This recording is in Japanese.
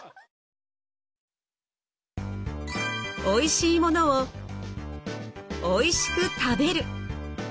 おいしいものをおいしく食べる。